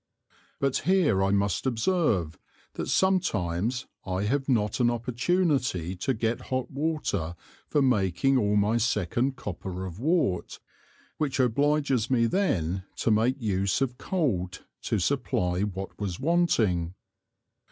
But here I must observe, that sometimes I have not an opportunity to get hot water for making all my second Copper of wort, which obliges me then to make use of cold to supply what was wanting.